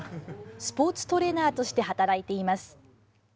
スポーツトレーナーとして働いています。